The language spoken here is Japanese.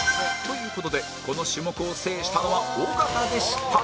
という事でこの種目を制したのは尾形でした